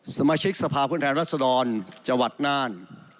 สมชิกสภาพื้นแหลนรัศธรรณจะหวัดน่าน